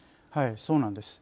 そうなんです。